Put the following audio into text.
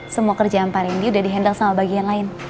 semua kerjaan pak reddy udah di handle sama bagian lain